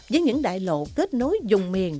với những đại lộ kết nối dùng miền